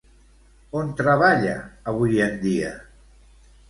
On treballa avui en dia?